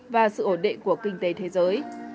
và sự ổn định của kinh tế thế giới